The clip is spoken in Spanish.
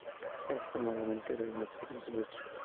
Es extremadamente rara en estado silvestre.